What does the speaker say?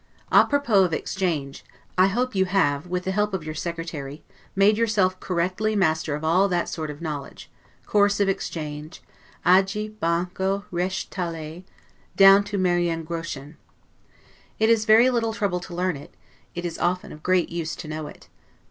'A propos' of exchange; I hope you have, with the help of your secretary, made yourself correctly master of all that sort of knowledge Course of Exchange, 'Agie, Banco, Reiche Thalers', down to 'Marien Groschen'. It is very little trouble to learn it; it is often of great use to know it.